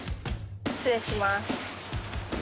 失礼します。